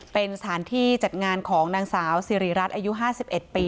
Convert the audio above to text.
เป็นสถานที่จัดงานของนางสาวสิริรัตน์อายุ๕๑ปี